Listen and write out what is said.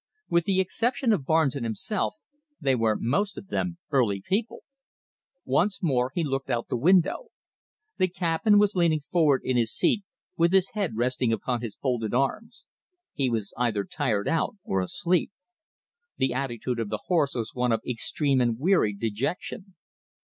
With the exception of Barnes and himself, they were most of them early people. Once more he looked out of the window. The cabman was leaning forward in his seat with his head resting upon his folded arms. He was either tired out or asleep. The attitude of the horse was one of extreme and wearied dejection.